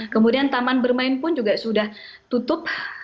kemudian taman bermain pun juga sudah tutup